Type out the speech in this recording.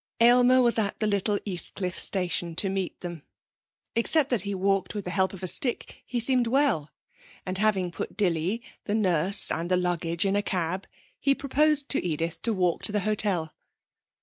Aylmer was at the little Eastcliff station to meet them. Except that he walked with the help of a stick, he seemed well, and having put Dilly, the nurse and the luggage in a cab, he proposed to Edith to walk to the hotel.